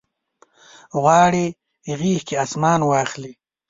غواړي غیږ کې اسمان واخلي